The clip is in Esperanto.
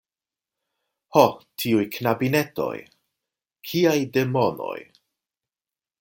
Ho! tiuj knabinetoj! Kiaj demonoj!